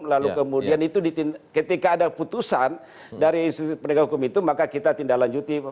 lalu kemudian itu ketika ada putusan dari institusi penegak hukum itu maka kita tindak lanjuti